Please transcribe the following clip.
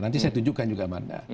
nanti saya tunjukkan juga mana